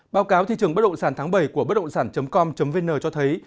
báo cáo thị trường bất động sản tháng bảy của bất động sản com vn cho thấy